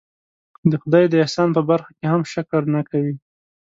د خدای د احسان په برخه کې هم شکر نه کوي.